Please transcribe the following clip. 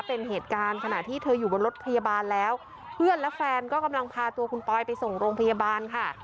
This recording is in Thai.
เป็นเหตุการณ์ขณะที่เธออยู่บนรถพยาบาลแล้วเพื่อนและแฟนก็กำลังพาตัวคุณปอยไปส่งโรงพยาบาลค่ะ